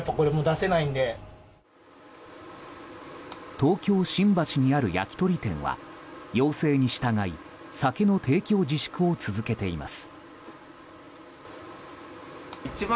東京・新橋にある焼き鳥店は要請に従い酒の提供自粛を続けています。